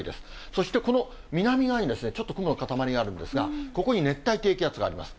そして、この南側にちょっと雲の固まりがあるんですが、ここに熱帯低気圧があります。